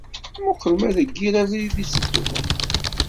Muqqel ma deg yir abrid i ttedduɣ!